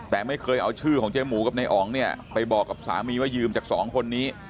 แต่ไม่เคยเอาชื่อของเจ๊หมูกับนายอ๋องเนี่ยไปบอกกับสามีว่ายืมจากสองคนนี้